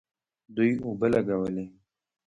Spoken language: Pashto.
دوی اوبه لګولې.